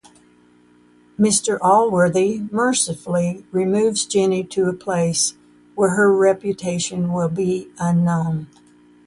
Mr Allworthy mercifully removes Jenny to a place where her reputation will be unknown.